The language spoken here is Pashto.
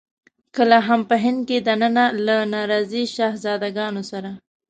کله هم په هند کې دننه له ناراضي شهزاده ګانو سره.